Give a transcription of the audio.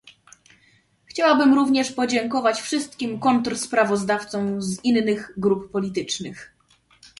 Chciałabym również podziękować wszystkim kontrsprawozdawcom z innych grup politycznych